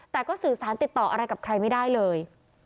แต่ก็สื่อสารติดต่ออะไรกับใครไม่ได้เลย